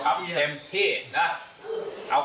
เตรียมป้องกันแชมป์ที่ไทยรัฐไฟล์นี้โดยเฉพาะ